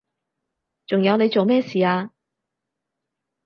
仲有你做咩事啊？